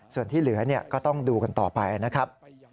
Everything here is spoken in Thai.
ส่วนที่เหลือก็ต้องดูกันต่อไปนะครับ